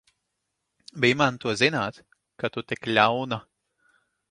Bij man to zināt, ka tu tik ļauna!